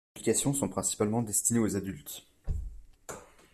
Ses publications sont principalement destinées aux adultes.